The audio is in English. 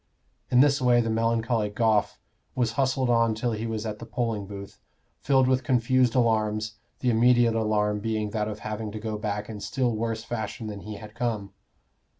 In this way the melancholy Goffe was hustled on till he was at the polling booth, filled with confused alarms, the immediate alarm being that of having to go back in still worse fashion than he had come.